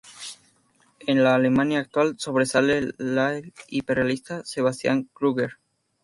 En la Alemania actual sobresale el hiperrealista Sebastián Kruger.